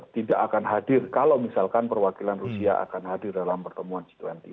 tidak akan hadir kalau misalkan perwakilan rusia akan hadir dalam pertemuan situasi ini